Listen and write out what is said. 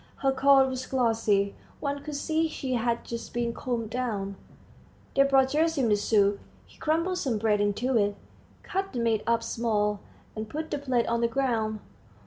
Her coat was glossy; one could see she had just been combed down. They brought Gerasim the soup. He crumbled some bread into it, cut the meat up small, and put the plate on the ground.